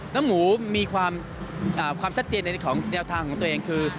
แล้วหมูมีความชัดเจนในของแนวทางของตัวเองคือ